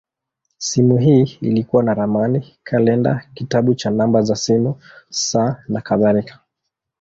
Simu hii ilikuwa na ramani, kalenda, kitabu cha namba za simu, saa, nakadhalika.